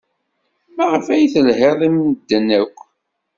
Maɣef ay telhid ed medden akk?